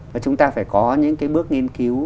và chúng ta phải có những cái bước nghiên cứu